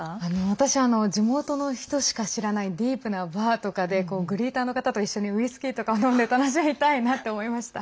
私、地元の人しか知らないディープなバーとかでグリーターの方と一緒にウイスキーとかを飲んで楽しみたいなって思いました。